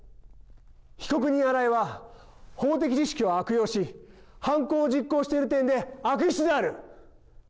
被告人、新井は、法的知識を悪用し、犯行を実行している点で、悪質である。